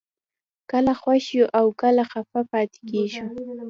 کله خوښ یو او کله خفه پاتې کېږو